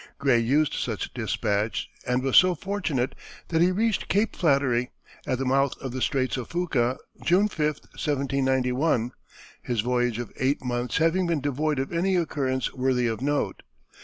Gray used such despatch and was so fortunate that he reached Cape Flattery, at the mouth of the Straits of Fuca, June 5, 1791, his voyage of eight months having been devoid of any occurrence worthy of note.